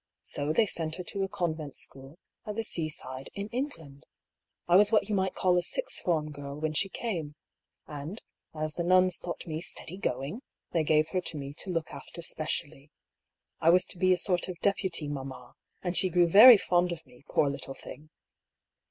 So they sent her to a convent school at the seaside in England. I was what you might call a sixth form girl when she came ; and, as the nuns thought me steady going, they gave her to me to look after specially. I was to be a sort of dep uty mamma ; and she grew very fond of me, poor little thing